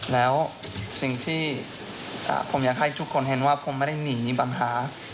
แล้วสิ่งที่ผมอยากให้ทุกคนเห็นว่าผมไม่ได้หนีปัญหา